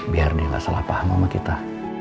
biar dia gak salah paham sama kita